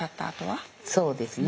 そうですね。